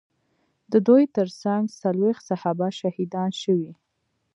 د دوی ترڅنګ څلوېښت صحابه شهیدان شوي.